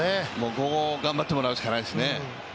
ここを頑張ってもらうしかないですね。